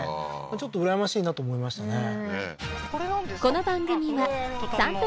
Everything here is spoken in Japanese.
ちょっとうらやましいなと思いましたね